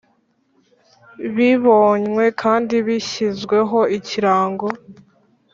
Bibonywe kandi bishyizweho ikirango